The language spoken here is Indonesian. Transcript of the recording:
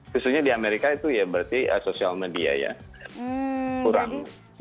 khususnya di amerika itu ya berarti sosial media ya kurang